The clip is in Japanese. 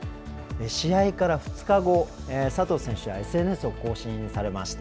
試合から２日後、佐藤選手がＳＮＳを更新されました。